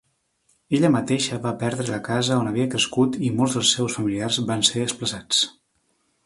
Ella mateixa va perdre la casa on havia crescut i molts dels seus familiars van ser desplaçats.